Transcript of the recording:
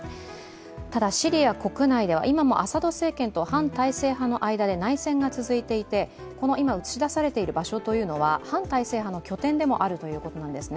ただ、シリア国内では今もアサド政権と反体制派の間で内戦が続いていて、この今、映し出されている場所というのは反体制派の拠点でもあるということなんですね。